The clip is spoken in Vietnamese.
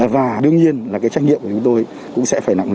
và đương nhiên là cái trách nhiệm của chúng tôi cũng sẽ phải nặng nề